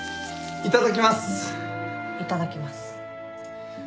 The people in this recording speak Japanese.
いただきます。